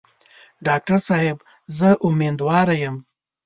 ډاکټر صاحب زه امیندواره یم.